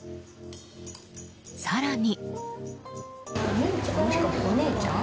更に。